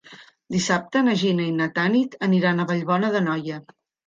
Dissabte na Gina i na Tanit aniran a Vallbona d'Anoia.